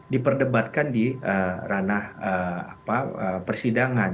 diperdebatkan di ranah persidangan